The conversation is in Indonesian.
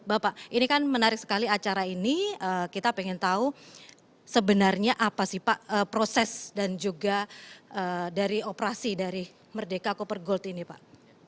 bapak ini kan menarik sekali acara ini kita ingin tahu sebenarnya apa sih pak proses dan juga dari operasi dari merdeka cooper gold ini pak